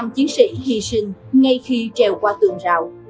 năm chiến sĩ hy sinh ngay khi treo qua tường rạo